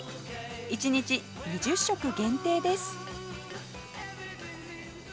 １日２０食限定です